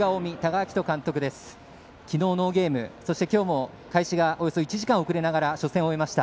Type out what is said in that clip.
そしてきょうも開始がおよそ１時間遅れながら初戦を終えました。